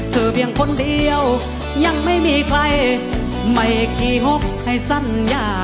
เพียงคนเดียวยังไม่มีใครไม่ขี่หกให้สัญญา